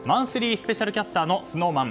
スペシャルキャスターのＳｎｏｗＭａｎ